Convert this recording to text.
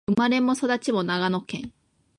生まれも育ちも長野県